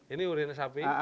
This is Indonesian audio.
ini urinnya sapi